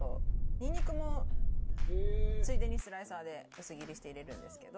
「ニンニクもついでにスライサーで薄切りして入れるんですけど」